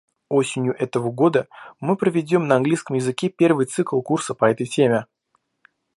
Осенью этого года мы проведем на английском языке первый цикл курса по этой теме.